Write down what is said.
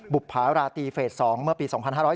บุภาราตีเฟส๒เมื่อปี๒๕๕๙